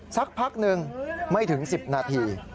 สักพักหนึ่งไม่ถึง๑๐นาที